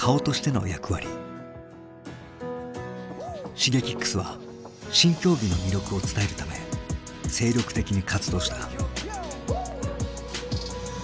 Ｓｈｉｇｅｋｉｘは新競技の魅力を伝えるため精力的に活動した。